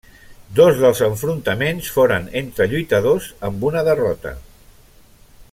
Dos dels enfrontaments foren entre lluitadors amb una derrota.